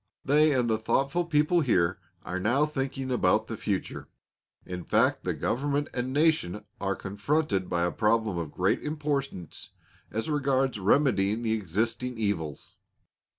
They and the thoughtful people here are now thinking about the future. In fact the Government and nation are confronted by a problem of great importance as regards remedying the existing evils.